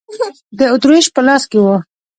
د اتریش په لاس کې و.